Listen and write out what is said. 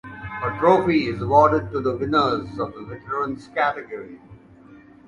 A Trophy is awarded to the winners of the veterans category.